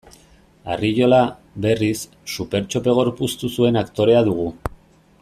Arriola, berriz, Supertxope gorpuztu zuen aktorea dugu.